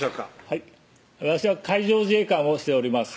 はい私は海上自衛官をしております